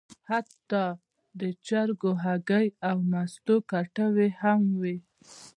حتی د چرګو هګۍ او د مستو کټوۍ هم وې.